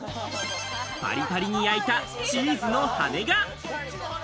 パリパリに焼いたチーズの羽が。